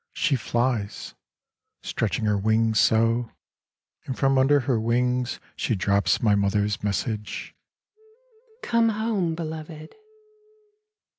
She flies, Stretching her wings so, And from under her wings she drops my Mother's message :" Come home, Beloved